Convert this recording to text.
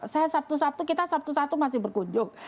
saya sabtu sabtu kita sabtu sabtu masih berkunjung